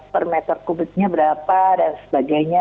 per meter kubiknya berapa dan sebagainya